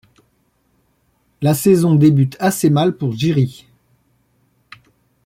La saison débute assez mal pour Jiri.